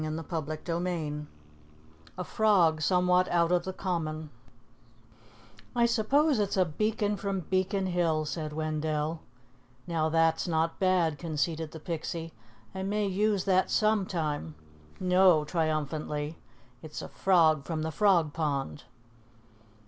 CHAPTER V A FROG SOMEWHAT OUT OF THE COMMON "I suppose it's a beacon from Beacon Hill," said Wendell. "Now, that's not bad," conceded the Pixie. "I may use that some time. No," triumphantly, "it's a frog from the Frog Pond."